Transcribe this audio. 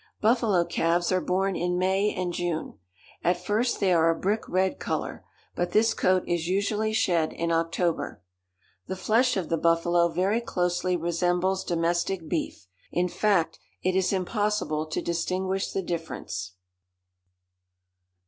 Buffalo calves are born in May and June. At first they are a brick red color, but this coat is usually shed in October. The flesh of the buffalo very closely resembles domestic beef. In fact, it is impossible to distinguish the difference.